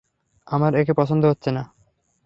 আমার একে পছন্দ হচ্ছে না।